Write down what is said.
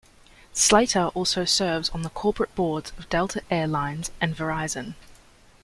Slater also serves on the corporate boards of Delta Air Lines and Verizon.